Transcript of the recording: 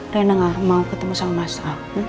rina gak mau ketemu sama mas al